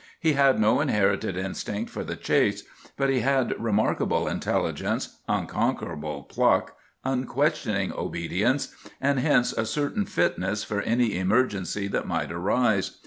He had no inherited instinct for the chase; but he had remarkable intelligence, unconquerable pluck, unquestioning obedience, and hence a certain fitness for any emergency that might arise.